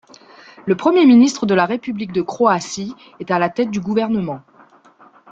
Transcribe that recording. Le Premier ministre de la République de Croatie est à la tête du gouvernement.